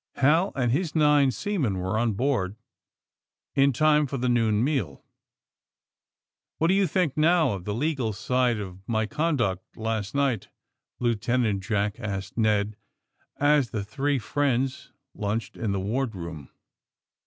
Hal and his nine seamen were on board in time for the noon meal. *^What do you think, now, of the legal side of my conduct last night?" Lieutenant Jack asked Ned as the three friends lunched in the wardroom.